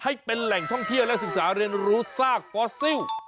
ให้เป็นแหล่งท่องเที่ยวและศึกษาเรียนรู้ซากฟอสซิล